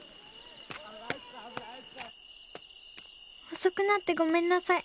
「遅くなってごめんなさい」。